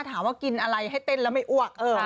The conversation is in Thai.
ถามว่ากินอะไรให้เต้นแล้วไม่อ้วก